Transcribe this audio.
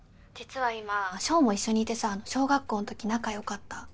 実は今ショウも一緒にいてさあの小学校んとき仲良かった。